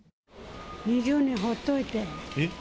２０年ほっといてん。